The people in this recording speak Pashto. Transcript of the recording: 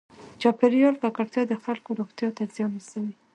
چاپېریال ککړتیا د خلکو روغتیا ته زیان رسوي.